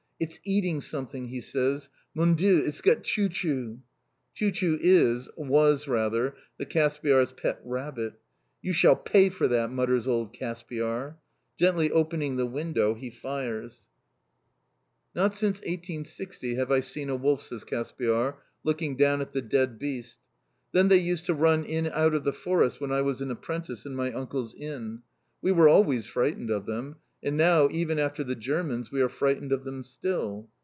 "It's eating something!" he says. "Mon Dieu! It's got Chou chou." Chou chou is was rather, the Caspiar's pet rabbit. "You shall pay for that!" mutters old Caspiar. Gently opening the window, he fires. "Not since 1860 have I seen a wolf," says Caspiar, looking down at the dead beast. "Then they used to run in out of the forest when I was an apprentice in my uncle's Inn. We were always frightened of them. And now, even after the Germans, we are frightened of them still."